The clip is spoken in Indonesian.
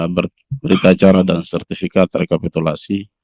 berita acara dan sertifikat rekapitulasi